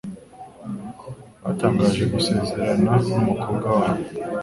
Batangaje gusezerana numukobwa wabo.